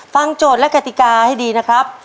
โจทย์และกติกาให้ดีนะครับ